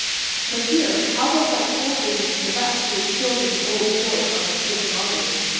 But, dear, how about that soldier named Trevec who was killed in the old fort on the cliff yonder?"